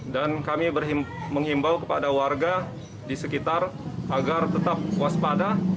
dan kami menghimbau kepada warga di sekitar agar tetap waspada